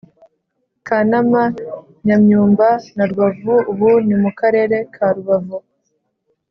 kanama, nyamyumba na rubavu ubu ni mu karere ka rubavu.